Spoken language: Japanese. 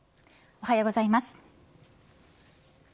おはようございます。